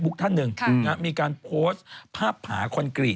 กูก็ดึงพึงกระดูกอะไรอย่างนี้